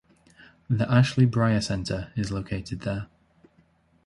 The Ashley Bryan Center is located there.